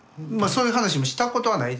そういう話もしたことはない。